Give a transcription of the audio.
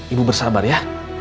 ibu bersabar ya